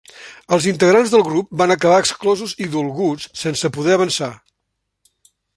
Els integrants del grup van acabar exclosos i dolguts, sense poder avançar.